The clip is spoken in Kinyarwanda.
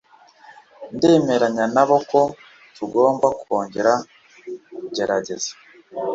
Ndemeranya nabo ko tugomba kongera kugerageza.